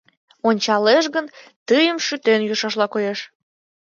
Ончалеш гын, тыйым шӱтен йӱшашла коеш.